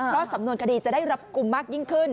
เพราะสำนวนคดีจะได้รับกลุ่มมากยิ่งขึ้น